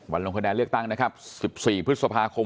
๘นาฬิกาถึง๑๗นาฬิกาค่ะ